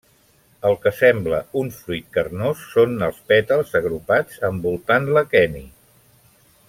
El que sembla un fruit carnós són els pètals agrupats envoltant l'aqueni.